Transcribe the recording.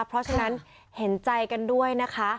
เพราะฉะนั้นเห็นใจกันด้วยนะคะ